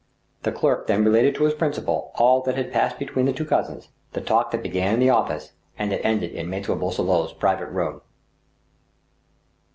The clerk then related to his principal all that had passed be tween the two cousins— the talk that began in the oflfice and that ended in Mattre Boisselot's private room.